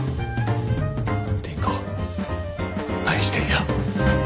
倫子愛してるよ。